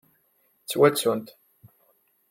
Ttwattunt.